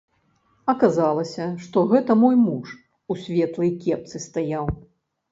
Аказалася, што гэта мой муж, у светлай кепцы стаяў.